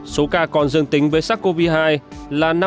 số ca còn dương tính với sars cov hai là năm mươi hai ca chiếm một mươi sáu